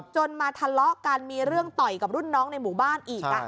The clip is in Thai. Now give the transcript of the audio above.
มาทะเลาะกันมีเรื่องต่อยกับรุ่นน้องในหมู่บ้านอีก